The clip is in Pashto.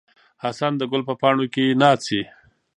حسن د ګل په پاڼو کې ناڅي.